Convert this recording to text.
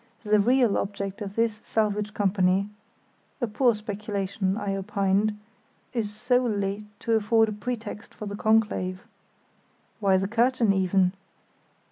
The real object of this salvage company (a poor speculation, I opined) is solely to afford a pretext for the conclave." "Why the curtain, even?"